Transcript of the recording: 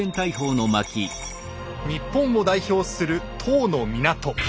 日本を代表する１０の港。